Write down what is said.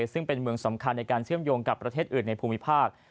ซึ่งเป็นเมืองสำคัญในการเชื่อมโยงกับประเทศอื่นในภูมิภาค